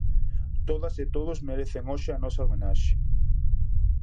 Todas e todos merecen hoxe a nosa homenaxe.